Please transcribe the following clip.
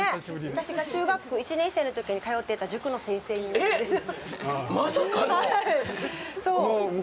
私が中学校１年生のときに通ってた塾の先生になるんですよ。